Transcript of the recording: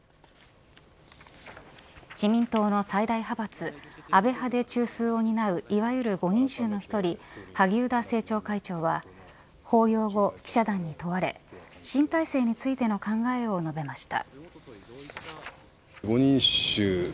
自民党の最大派閥安倍派で中枢を担ういわゆる５人衆の１人萩生田政調会長は法要後、記者団に問われ新体制についての考えを述べました。